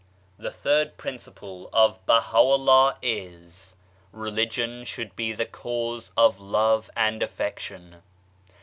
The third principle of Baha'u'llah is : Religion should be the Cause of Love and Affection.